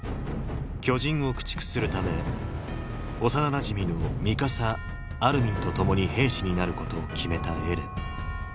巨人を駆逐するため幼なじみのミカサアルミンと共に兵士になることを決めたエレン。